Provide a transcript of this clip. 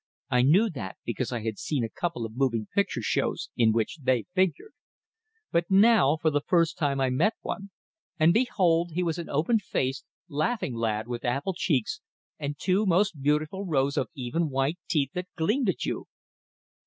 I knew that, because I had seen a couple of moving picture shows in which they figured. But now for the first time I met one, and behold, he was an open faced, laughing lad, with apple cheeks and two most beautiful rows of even white teeth that gleamed at you!